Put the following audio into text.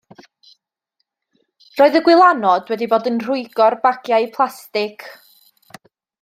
Roedd y gwylanod wedi bod yn rhwygo'r bagiau plastig.